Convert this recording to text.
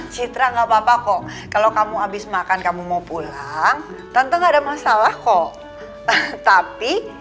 citra nggak apa apa kok kalau kamu habis makan kamu mau pulang tentu enggak ada masalah kok tapi